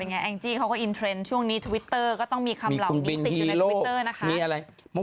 แองจี้เขาก็อินเทรนด์ช่วงนี้ทวิตเตอร์ก็ต้องมีคำเหล่านี้ติดอยู่ในทวิตเตอร์นะคะ